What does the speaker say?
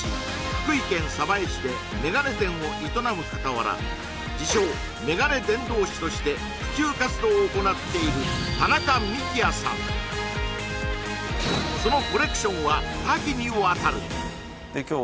福井県鯖江市で眼鏡店を営む傍ら自称メガネ伝道師として普及活動を行っているそのコレクションは多岐にわたる今日